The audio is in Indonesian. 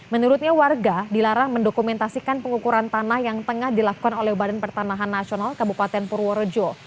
menurutnya warga dilarang mendokumentasikan pengukuran tanah yang tengah dilakukan oleh badan pertanahan nasional kabupaten purworejo